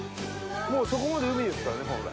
もうそこまで海ですからね本来。